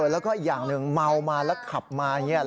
แล้วก็อีกอย่างหนึ่งเมามาแล้วขับมาอย่างนี้